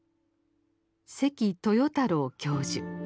関豊太郎教授。